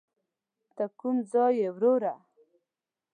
ته کوم ځای یې وروره.